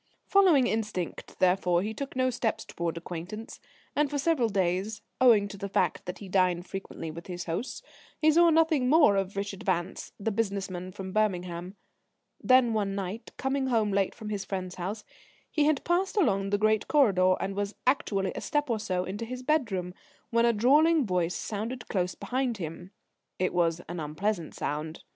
Following instinct, therefore, he took no steps towards acquaintance, and for several days, owing to the fact that he dined frequently with his hosts, he saw nothing more of Richard Vance, the business man from Birmingham. Then, one night, coming home late from his friend's house, he had passed along the great corridor, and was actually a step or so into his bedroom, when a drawling voice sounded close behind him. It was an unpleasant sound.